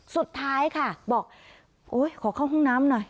สุดท้ายค่ะบอกโอ๊ยขอเข้าห้องน้ำหน่อย